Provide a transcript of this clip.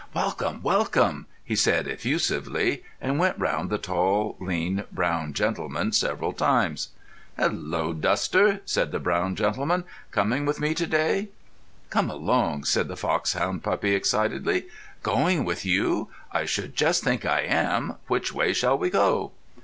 "Welcome, welcome," he said effusively, and went round the tall, lean, brown gentleman several times. "Hallo, Duster," said the brown gentleman; "coming with me to day?" "Come along," said the foxhound puppy excitedly. "Going with you? I should just think I am! Which way shall we go?"